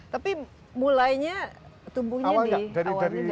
tapi mulainya tumbuhnya di awalnya